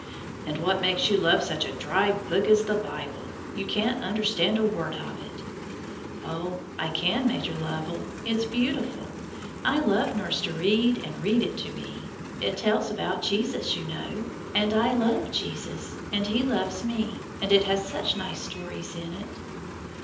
"And what makes you love such a dry book as the Bible? You can't understand a word of it." "Oh, I can, Major Lovell, it's beautiful. I love nurse to read and read it to me. It tells about Jesus, you know, and I love Jesus, and He loves me. And it has such nice stories in it."